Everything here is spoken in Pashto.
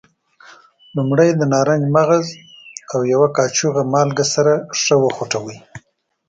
لومړی د نارنج مغز او یوه کاشوغه مالګه سره ښه وخوټوئ.